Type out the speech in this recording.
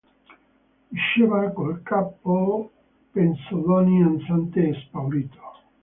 Diceva col capo penzoloni, ansante e spaurito.